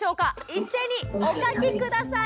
一斉にお書き下さい。